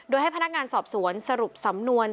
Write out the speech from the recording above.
โดยให้พนักงานสอบสวนสรุปสำนวน